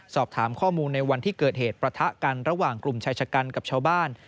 สอบถามข้อมูลในวันที่เกิดเหตุประทะกันระหว่างกลุ่มชายชะกันกับชาวบ้าน